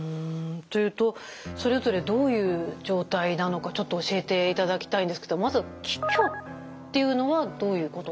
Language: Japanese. というとそれぞれどういう状態なのか教えていただきたいんですけどまず気虚っていうのはどういうことなんですか？